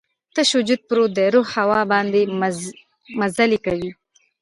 تش وجود پروت دی، روح هوا باندې مزلې کوي